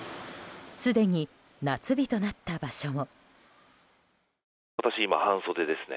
すでに夏日となった場所も。